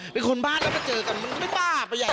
คนบ้านแล้วมาเจอกันมันก็ไม่บ้าไปใหญ่